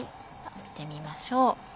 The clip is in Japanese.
見てみましょう。